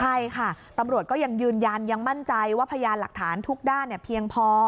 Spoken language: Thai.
ใช่ค่ะตำรวจก็ยังยืนยันยังมั่นใจว่าพยานหลักฐานทุกด้านเพียงพอ